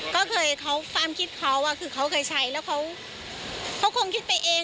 ก็เคยคิดเขาว่าคือเขาเคยใช้แล้วเขาคงคิดไปเอง